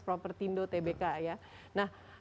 propertindo tbk nah